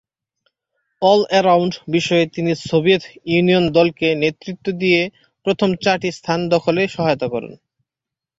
All-around বিষয়ে তিনি Soviet union দলকে নেতৃত্ব দিয়ে প্রথম চারটি স্থান দখলে সহায়তা করেন।